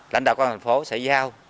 lãnh đạo của thành phố sẽ giao